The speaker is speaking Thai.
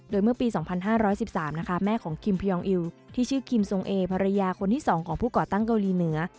โดยเมื่อปี๒๕๑๓นะคะแม่ของคิมพยองอิวที่ชื่อคิมทรงเอภรรยาคนที่๒ของผู้ก่อตั้งเกาหลีเหนือ